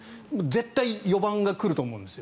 絶対に４番が来ると思うんです。